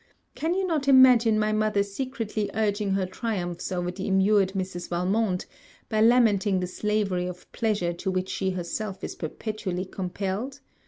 Can you not imagine my mother secretly urging her triumphs over the immured Mrs. Valmont, by lamenting the slavery of pleasure to which she herself is perpetually compelled?